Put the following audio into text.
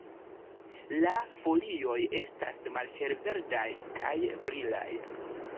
La folioj estas malhelverdaj kaj brilaj.